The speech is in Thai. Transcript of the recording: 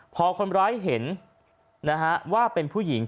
พอคนร้ายเห็นว่าเป็นผู้หญิง